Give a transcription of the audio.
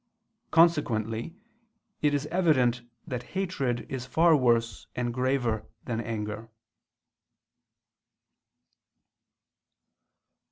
Consequently it is evident that hatred is far worse and graver than anger.